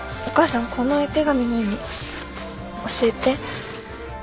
お母さんこの絵手紙の意味教えて。